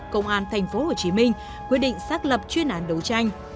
công an tp hcm quyết định xác lập chuyên án đấu tranh